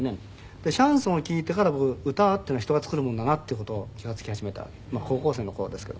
でシャンソンを聴いてから僕歌っていうのは人が作るもんだなっていう事を気が付き始めた高校生の頃ですけど。